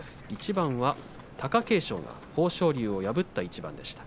１番は貴景勝と豊昇龍を破った一番でした。